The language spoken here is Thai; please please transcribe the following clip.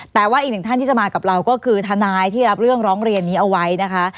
แต่ว่าอีกหนึ่งท่านที่จะมากับเราก็คือทนายที่รับเรื่องร้องเรียนนี้เอาไว้นะคะ